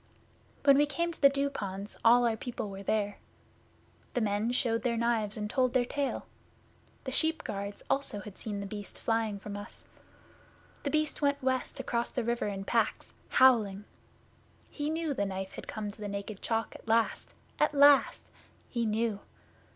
'When we came to the Dew ponds all our people were there. The men showed their knives and told their tale. The sheep guards also had seen The Beast flying from us. The Beast went west across the river in packs howling! He knew the Knife had come to the Naked Chalk at last at last! He knew!